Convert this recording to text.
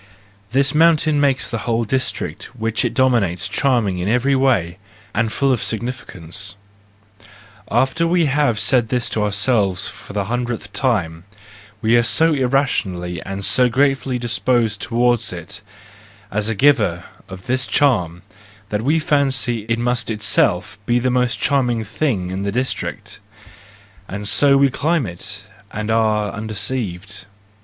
—This mountain makes the whole district which it dominates charming in every way, and full of significance: after we have said this to ourselves for the hundredth time, we are so irrationally and so gratefully disposed to¬ wards it, as the giver of this charm, that we fancy it must itself be the most charming thing in the district — and so we climb it, and are undeceived.